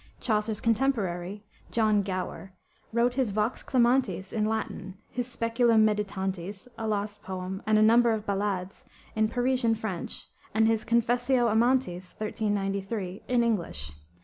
Chaucer's contemporary, John Gower, wrote his Vox Clamantis in Latin, his Speculum Meditantis (a lost poem), and a number of ballades in Parisian French, and his Confessio Amantis (1393) in English.